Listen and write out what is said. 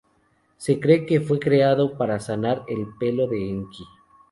Se cree que fue creado para sanar el pelo de Enki.